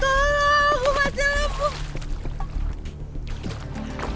tolong umatnya lepuh